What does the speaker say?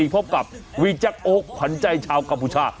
พบกับวิจักรโอ๊คขวัญใจชาวกับพุชา